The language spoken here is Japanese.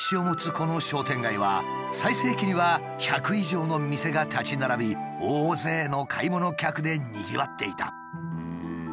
この商店街は最盛期には１００以上の店が立ち並び大勢の買い物客でにぎわっていた。